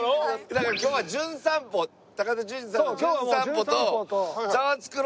だから今日は『じゅん散歩』高田純次さんの『じゅん散歩』と『ザワつく！